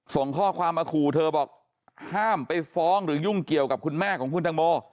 ส่งข้อความมาขู่เธอบอกห้ามไปฟ้องหรือยุ่งเกี่ยวกับคุณแม่ของคุณตังโม